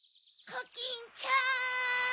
コキンちゃん！